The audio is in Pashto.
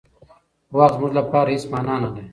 وخت زموږ لپاره هېڅ مانا نه لري.